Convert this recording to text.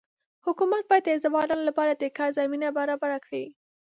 حکومت باید د ځوانانو لپاره د کار زمینه برابره کړي.